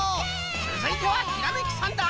つづいてはひらめきサンダー！